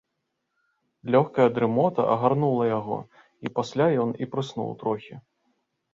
Лёгкая дрымота агарнула яго, а пасля ён і прыснуў трохі.